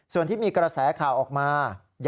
ส่วนที่มีกระแสข่าวออกมา